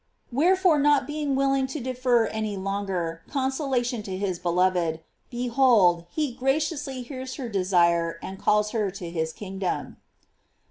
Wherefore not be ing willing to defer any longer consolation to his beloved, behold, he graciously hears her de sire and calls her to his kingdom.